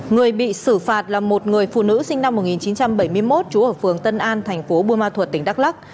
người bị xử phạt là một người phụ nữ sinh năm một nghìn chín trăm bảy mươi một trú ở phường tân an thành phố buôn ma thuật tỉnh đắk lắc